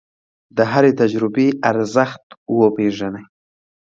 د هرې تجربې ارزښت وپېژنئ.